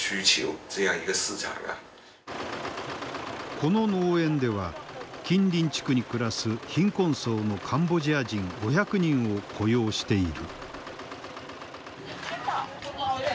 この農園では近隣地区に暮らす貧困層のカンボジア人５００人を雇用している。